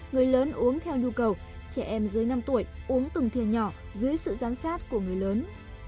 người lớn uống theo nhu cầu trẻ em dưới năm tuổi uống từng thiền nhỏ dưới sự giám sát của người lớn